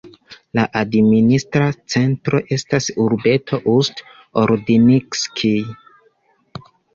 La administra centro estas urbeto Ust-Ordinskij.